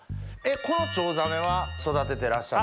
このチョウザメは育ててらっしゃった？